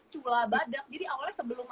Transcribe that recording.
cula badak jadi awalnya sebelum